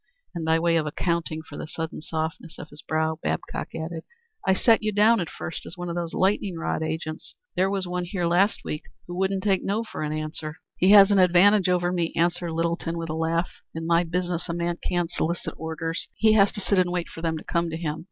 And by way of accounting for the sudden softening of his brow, Babcock added, "I set you down at first as one of those lightning rod agents. There was one here last week who wouldn't take 'no' for an answer." "He has an advantage over me," answered Littleton with a laugh. "In my business a man can't solicit orders. He has to sit and wait for them to come to him."